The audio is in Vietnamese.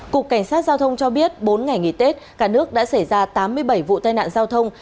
cục cảnh sát giao thông cho biết bốn ngày nghỉ tết cả nước đã xảy ra tám mươi bảy vụ tai nạn giao thông